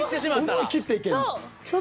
思い切っていけるもん。